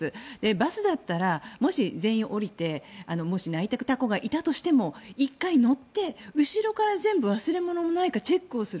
バスだったら、もし全員降りてもし泣いていた子がいたとしても１回乗って、後ろから全部忘れものがないかチェックする。